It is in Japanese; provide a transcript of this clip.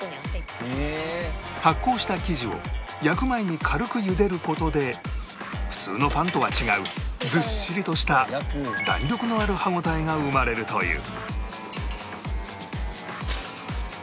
発酵した生地を焼く前に軽く茹でる事で普通のパンとは違うずっしりとした弾力のある歯応えが生まれるという